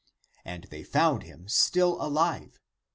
And they found him still alive.